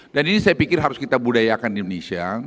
dan ini saya pikir harus kita budayakan di indonesia